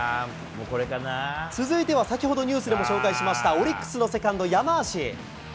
続いては先ほど、ニュースでも紹介しましたオリックスのセカンド、山足。